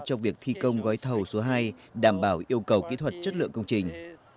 trong việc thi công gói thầu số hai đảm bảo yêu cầu kỹ thuật chất lượng công trình